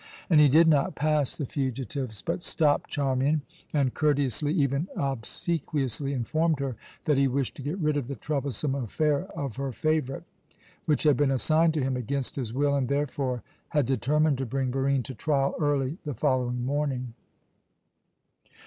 And he did not pass the fugitives, but stopped Charmian, and courteously, even obsequiously, informed her that he wished to get rid of the troublesome affair of her favourite, which had been assigned to him against his will, and therefore had determined to bring Barine to trial early the following morning.